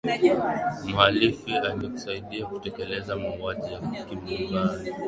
mhalifu alikusudia kutekeleza mauaji ya kimbari